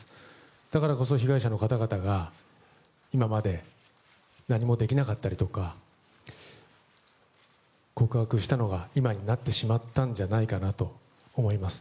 だからこそ被害者の方々が今まで何もできなかったりとか告白したのが、今になってしまったのではないかなと思います。